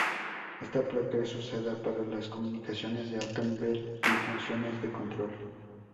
Esta placa es usada para las comunicaciones de alto nivel y funciones de control.